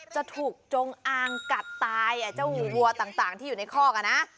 จะถูกจงอางกัดตายเจ้าวัวต่างที่อยู่ในคอกอ่ะนะ